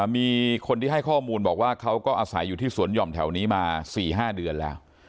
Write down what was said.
มีคนที่ให้ข้อมูลบอกว่าเขาก็อาศัยอยู่ที่สวนห่อมแถวนี้มา๔๕เดือนแล้ว